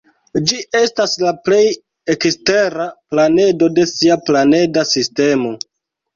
Ĝi estas la plej ekstera planedo de sia planeda sistemo.